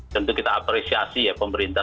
tentu kita apresiasi ya pemerintah